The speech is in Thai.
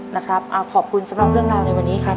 นะครับขอบคุณสำหรับเรื่องราวในวันนี้ครับ